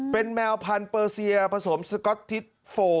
เป็นแมวพันธุเปอร์เซียผสมสก๊อตทิศโฟ